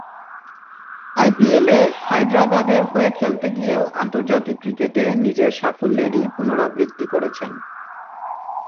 আইপিএলে হায়দরাবাদের হয়ে খেলতে গিয়েও আন্তর্জাতিক ক্রিকেটে নিজের সাফল্যেরই পুনরাবৃত্তি করেছেন।